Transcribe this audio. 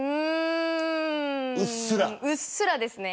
うっすらですね。